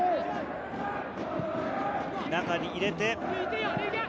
中に入れて。